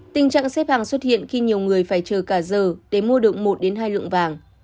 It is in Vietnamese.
tình trạng xếp hàng xuất hiện khi nhiều người phải chờ cả giờ để mua được một hai lượng vàng